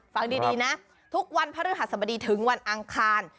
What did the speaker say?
ฟังดีนะทุกวันพระฤหัสบดีถึงวันอังคาร